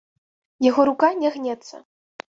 Яго рука не гнецца.